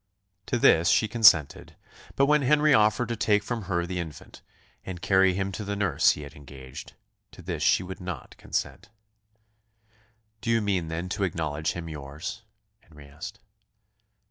To this she consented; but when Henry offered to take from her the infant, and carry him to the nurse he had engaged, to this she would not consent. "Do you mean, then, to acknowledge him yours?" Henry asked.